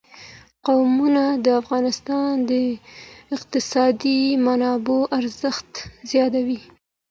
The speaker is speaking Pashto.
قومونه د افغانستان د اقتصادي منابعو ارزښت زیاتوي.